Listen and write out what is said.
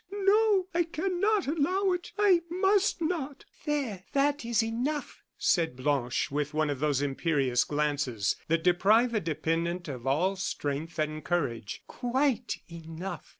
"No, I cannot allow it. I must not " "There, that is enough," said Blanche, with one of those imperious glances that deprive a dependent of all strength and courage; "quite enough."